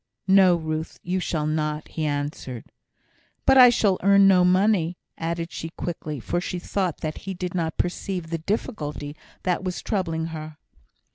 "No, Ruth, you shall not," he answered. "But I shall earn no money!" added she, quickly, for she thought that he did not perceive the difficulty that was troubling her.